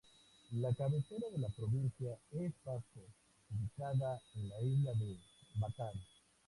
La cabecera de la provincia es Basco, ubicada en la isla de Batán.